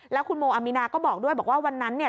แล้วคุณโมอามีนาก็บอกด้วยบอกว่าวันนั้นเนี่ย